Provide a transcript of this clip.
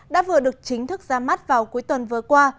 đã vừa được chính thức ra mắt vào cuối tuần vừa qua